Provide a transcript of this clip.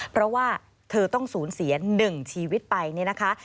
เพราะว่าเธอต้องสูญเสีย๑ชีวิตไปเนี่ยนะคะ